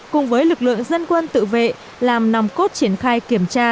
cùng với lực lượng dân quân tự vệ làm nòng cốt triển khai kiểm tra